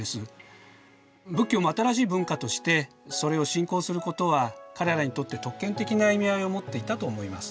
仏教も新しい文化としてそれを信仰することは彼らにとって特権的な意味合いを持っていたと思います。